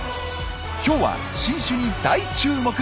今日は新種に大注目！